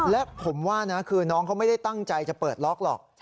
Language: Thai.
และผมว่านะคือน้องเขาไม่ได้ตั้งใจจะเปิดล็อกหรอก